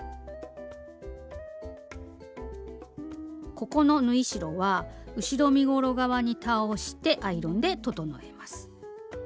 ここの縫い代は後ろ身ごろ側に倒してアイロンで整えます。